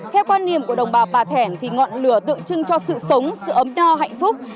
theo quan điểm của đồng bào bà thẻn thì ngọn lửa tượng trưng cho sự sống sự ấm no hạnh phúc